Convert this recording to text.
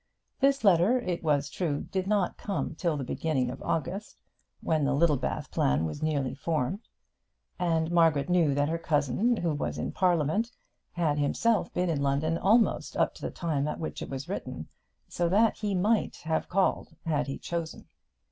This letter, it was true, did not come till the beginning of August, when the Littlebath plan was nearly formed; and Margaret knew that her cousin, who was in Parliament, had himself been in London almost up to the time at which it was written, so that he might have called had he chosen.